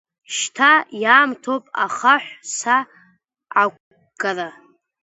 Шьҭа иаамҭоуп ахаҳә са ақәгара.